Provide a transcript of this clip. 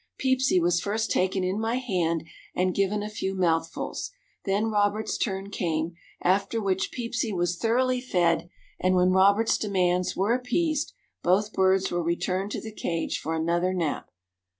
Peepsy was first taken in my hand and given a few mouthfuls, then Robert's turn came, after which Peepsy was thoroughly fed and when Robert's demands were appeased, both birds were returned to the cage for another nap.